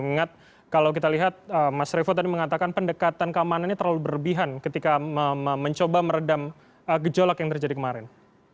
mengingat kalau kita lihat mas revo tadi mengatakan pendekatan keamanannya terlalu berlebihan ketika mencoba meredam gejolak yang terjadi kemarin